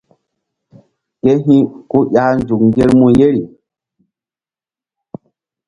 Ke hi̧ ku ƴah nzuk ŋgermu yeri.